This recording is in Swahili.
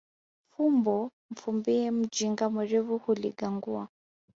Fumbo mfumbe mjinga mwerevu huligangua